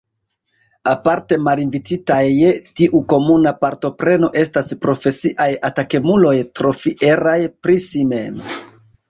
Aparte malinvititaj je tiu komuna partopreno estas profesiaj atakemuloj trofieraj pri si mem.